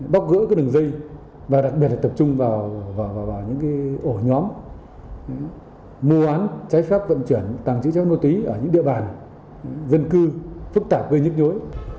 bóc gỡ các đường dây và đặc biệt là tập trung vào những ổ nhóm mua án trái pháp vận chuyển tăng trữ chất mua túy ở những địa bàn dân cư phức tạp với nhức nhối